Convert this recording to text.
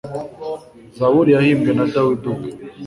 zaburi yahimbwe na dawudi ubwe